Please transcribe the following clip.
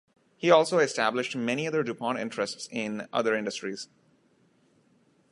He also established many other DuPont interests in other industries.